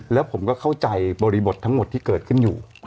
แล้วผมก็เข้าใจบริบททั้งหมดที่เกิดขึ้นอยู่